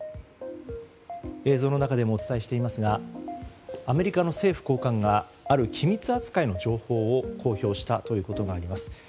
映像の中でもお伝えしていますがアメリカの政府高官がある機密扱いの情報を公表したということがあります。